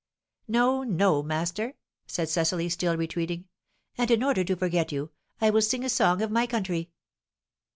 "No, no, master!" said Cecily, still retreating. "And in order to forget you, I will sing a song of my country."